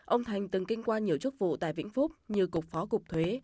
ông thành từng kinh qua nhiều chức vụ tại vĩnh phúc như cục phó cục thuế